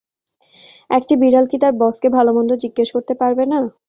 একটা বিড়াল কি তার বসকে ভালো-মন্দ জিজ্ঞেস করতে পারবে না?